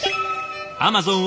アマゾン